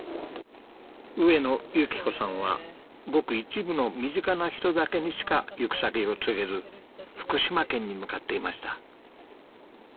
上野由岐子さんはごく一部の身近な人だけにしか行く先を告げず福島県に向かっていました。